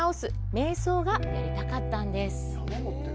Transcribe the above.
瞑想がやりたかったんです。